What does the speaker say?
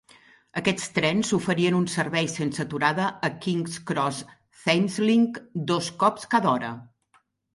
Aquests trens oferien un servei sense aturada a King's Cross Thameslink dos cops cada hora.